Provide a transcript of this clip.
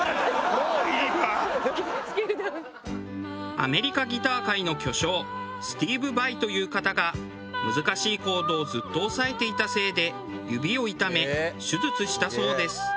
アメリカギター界の巨匠スティーヴ・ヴァイという方が難しいコードをずっと押さえていたせいで指を痛め手術したそうです。